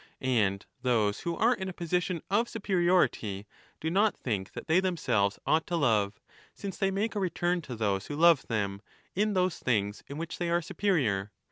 And those who are in a position of superiority do not think that they themselves ought to love, since they make a return to those who love them, in those things in which they are superior.